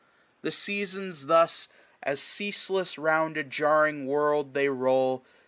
The Seasons thus^ SPRING. 45 As ceaseless round a jarring world they roll.